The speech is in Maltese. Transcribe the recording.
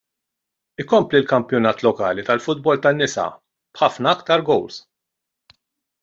Ikompli l-kampjonat lokali tal-futbol tan-nisa, b'ħafna aktar gowls.